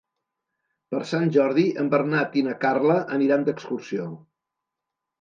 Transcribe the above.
Per Sant Jordi en Bernat i na Carla aniran d'excursió.